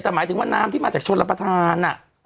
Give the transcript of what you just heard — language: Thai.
แต่หมายถึงว่าน้ำที่มาจากชนรับประทาน